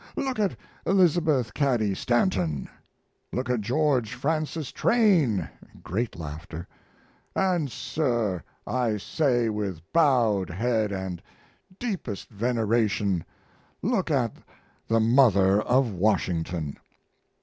Look at Elizabeth Cady Stanton! Look at George Francis Train! [Great laughter.] And, sir, I say with bowed head and deepest veneration, look at the mother of Washington!